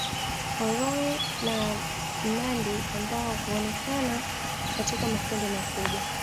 Horoe na mnandi ambao huonekana katika makundi makubwa